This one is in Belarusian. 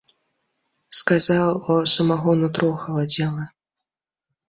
Сказаў, а ў самога нутро халадзела.